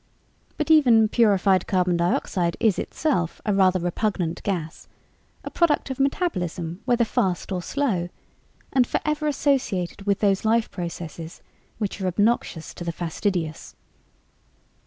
But even purified carbon dioxide is itself a rather repugnant gas, a product of metabolism whether fast or slow, and forever associated with those life processes which are obnoxious to the fastidious."